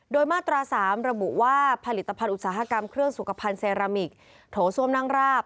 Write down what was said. โดยมาตรา๓ระบุว่าผลิตภัณฑ์อุตสาหกรรมเครื่องสุขภัณฑ์เซรามิกโถส้วมนั่งราบ